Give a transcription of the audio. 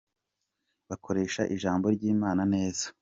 Bakoresha ijambo ryimana neza